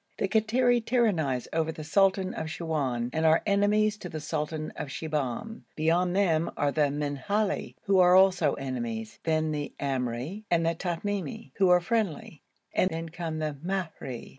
The Kattiri tyrannise over the sultan of Siwoun and are enemies to the sultan of Shibahm; beyond them are the Minhali, who are also enemies; then the Amri and the Tamimi, who are friendly, and then come the Mahri.